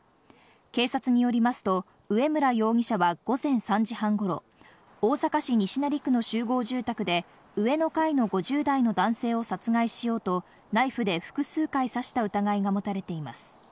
警察によりますと、上村容疑者は午前３時半頃、大阪市西成区の集合住宅で上の階の５０代の男性を殺害しようとナイフで複数回刺した疑いが持たれています。